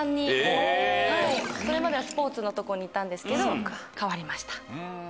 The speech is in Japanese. それまではスポーツのとこにいたんですけど変わりました。